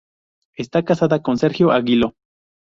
Está casada con Sergio Aguiló.